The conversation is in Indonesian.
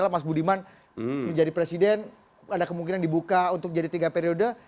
mas budiman menjadi presiden ada kemungkinan dibuka untuk jadi tiga periode